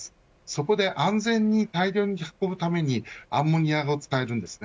そこで安全に大量に運ぶためにアンモニアを使えるんです。